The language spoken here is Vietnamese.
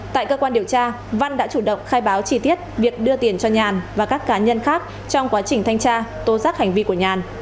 tại cơ quan điều tra văn đã chủ động khai báo chi tiết việc đưa tiền cho nhàn và các cá nhân khác trong quá trình thanh tra tố giác hành vi của nhàn